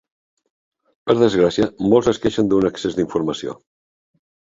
Per desgràcia, molts es queixen d'un excés d'informació.